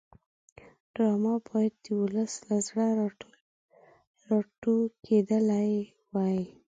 ډرامه باید د ولس له زړه راټوکېدلې وي